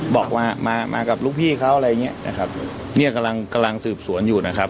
บอกว่ามามากับลูกพี่เขาอะไรอย่างเงี้ยนะครับเนี่ยกำลังกำลังสืบสวนอยู่นะครับ